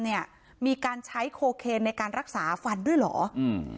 เนี้ยมีการใช้โคเคนในการรักษาฟันด้วยเหรออืม